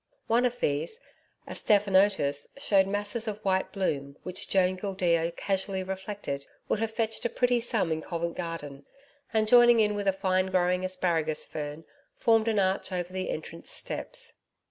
One of these, a stephanotis, showed masses of white bloom, which Joan Gildea casually reflected would have fetched a pretty sum in Covent Garden, and, joining in with a fine growing asparagus fern, formed an arch over the entrance steps.